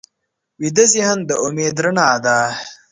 ویده ذهن د امید رڼا ده